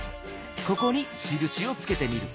ここにしるしをつけてみる。